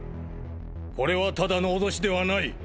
これはただの脅しではない。